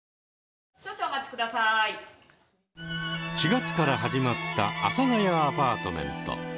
４月から始まった「阿佐ヶ谷アパートメント」。